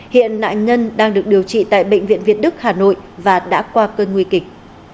hiện nạn nhân đang được điều trị tại bệnh viện việt đức hà nội và đã qua cơn nguy kịch